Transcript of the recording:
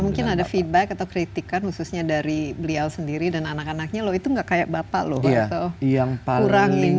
nah mungkin ada feedback atau kritikan khususnya dari beliau sendiri dan anak anaknya loh itu gak kayak bapak loh waktu kurang ini atau kurang itu